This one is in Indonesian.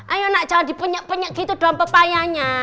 ayo anak jangan dipenyek penyek gitu dong pepayanya